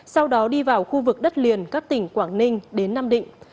sau đó đi vào khu vực đất liền các tỉnh quảng ninh đến nam định